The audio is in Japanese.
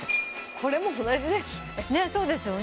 これも同じですね。